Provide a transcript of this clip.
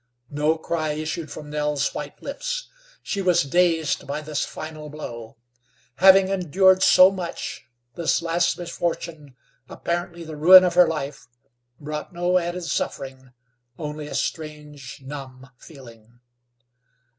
No cry issued from Nell's white lips. She was dazed by this final blow. Having endured so much, this last misfortune, apparently the ruin of her life, brought no added suffering, only a strange, numb feeling.